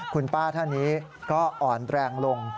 คุณป้าท่านนี้ก็อ่อนแรงลง